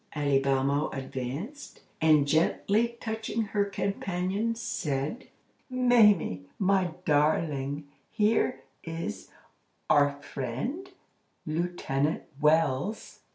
Alibamo advanced, and gently touching her companion, said: "Mamie, my darling, here is our friend, Lieutenant Wells."